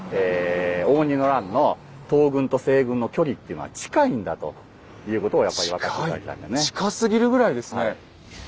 応仁の乱の東軍と西軍の距離っていうのは近いんだということをやっぱり分かって頂きたいんでね。